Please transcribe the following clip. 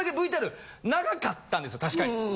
確かに。